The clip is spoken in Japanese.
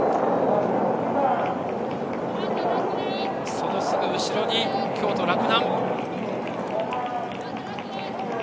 そのすぐ後ろに京都・洛南。